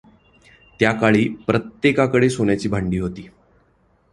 त्या काळी प्रत्येकाकडे सोन्याची भांडी होती.